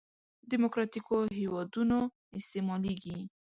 دیموکراتیکو هېوادونو استعمالېږي.